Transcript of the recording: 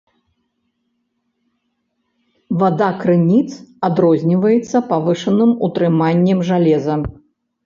Вада крыніц адрозніваецца павышаным утрыманнем жалеза.